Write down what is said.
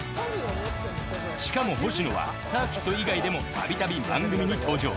しかも星野はサーキット以外でもたびたび番組に登場。